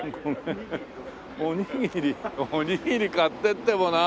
おにぎりおにぎり買ってってもなあ。